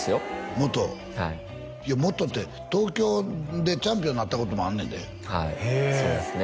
元元って東京でチャンピオンになったこともあんねんでそうですね